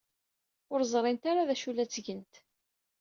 Ur ẓrint ara d acu la ttgent.